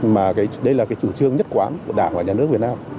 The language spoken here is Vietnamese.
nhưng mà đây là chủ trương nhất quán của đảng và nhà nước việt nam